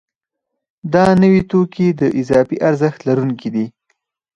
دا نوي توکي د اضافي ارزښت لرونکي دي